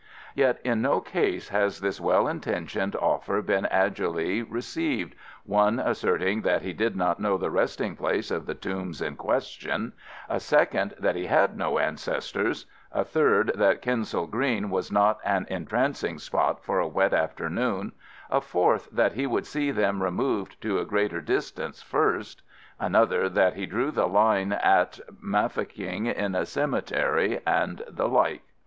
Yet in no case has this well intentioned offer been agilely received, one asserting that he did not know the resting place of the tombs in question, a second that he had no ancestors, a third that Kensal Green was not an entrancing spot for a wet afternoon, a fourth that he would see them removed to a greater distance first, another that he drew the line at mafficking in a cemetery, and the like.